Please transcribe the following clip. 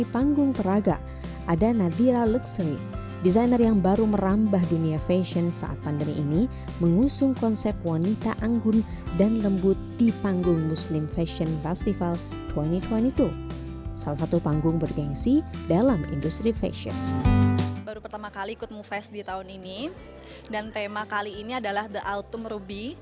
baru pertama kali ikut mufes di tahun ini dan tema kali ini adalah the autumn ruby